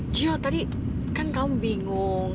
cio tadi kan kamu bingung